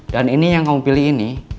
dan ini yang kamu pilih ini